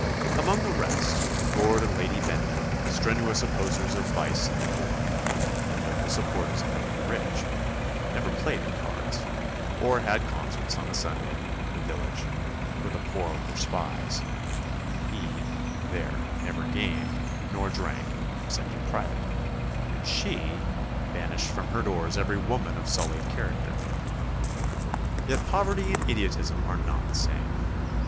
Among the rest, Lord and Lady Bendham, strenuous opposers of vice in the poor, and gentle supporters of it in the rich, never played at cards, or had concerts on a Sunday, in the village, where the poor were spies he, there, never gamed, nor drank, except in private, and she banished from her doors every woman of sullied character. Yet poverty and idiotism are not the same.